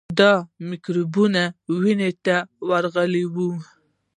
دا میکروبونه وینې ته ورغلي وي.